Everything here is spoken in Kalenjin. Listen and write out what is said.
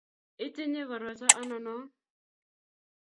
itinye koroito anonon?